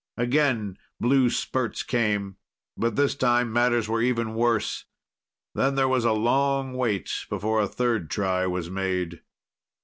Again blue spurts came, but this time matters were even worse. Then there was a long wait before a third try was made.